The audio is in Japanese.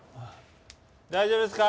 大丈夫ですか？